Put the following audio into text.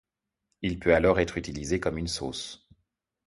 Il peut alors être utilisé comme une sauce.